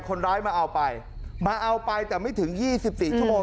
คนร้ายมาเอาไปมาเอาไปแต่ไม่ถึง๒๔ชั่วโมง